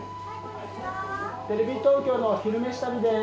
テレビ東京の「昼めし旅」です。